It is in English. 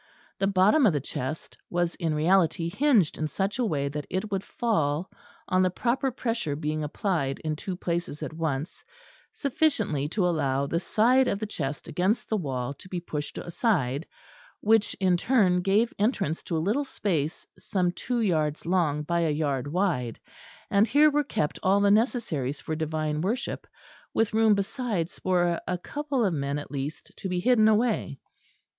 The bottom of the chest was in reality hinged in such a way that it would fall, on the proper pressure being applied in two places at once, sufficiently to allow the side of the chest against the wall to be pushed aside, which in turn gave entrance to a little space some two yards long by a yard wide; and here were kept all the necessaries for divine worship; with room besides for a couple of men at least to be hidden away.